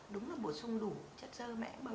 đúng là bổ sung đủ chất dơ mẽ